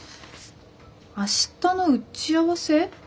明日の打ち合わせ？